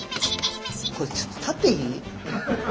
これちょっと立っていい？